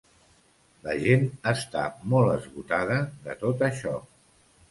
La gent està molt esgotada de tot això.